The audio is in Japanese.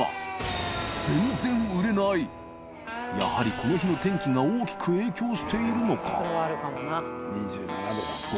この日の天気が大きく影響しているのか磴桓